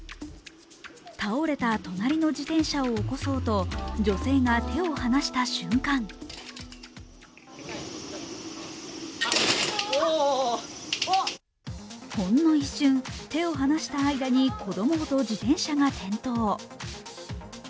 倒れた隣の自転車を起こそうと女性が手を離した瞬間ほんの一瞬、手を離した間に子供ごと自転車が転倒。